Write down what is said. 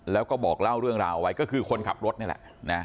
แล้วก็บอกเล่าเรื่องราวไว้ก็คือคนขับรถนี่แหละนะ